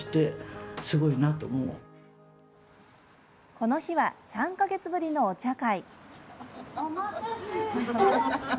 この日は、３か月ぶりのお茶会。